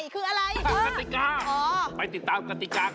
หวยขนาดไหน